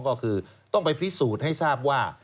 ก็คือต้องไปพิสูจน์ให้ทราบว่า